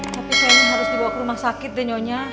tapi kayaknya harus dibawa ke rumah sakit deh nyonya